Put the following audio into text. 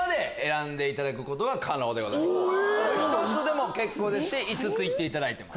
１つでも結構ですし５つ言っていただいても。